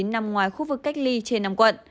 nằm ngoài khu vực cách ly trên năm quận